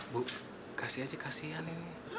bu kasih aja kasih hani